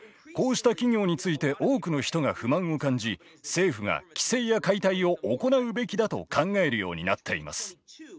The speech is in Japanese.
こうした企業について多くの人が不満を感じ政府が規制や解体を行うべきだと考えるようになっています。